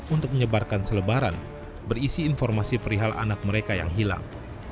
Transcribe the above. untuk menyebarkan selebaran berisi informasi perihal anak mereka yang hilang